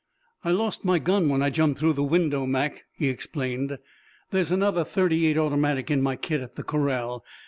"I lost my gun when I jumped through the window, Mac," he explained. "There's another thirty eight automatic in my kit at the corral.